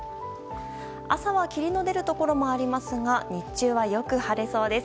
朝は霧の出るところもありますが日中はよく晴れそうです。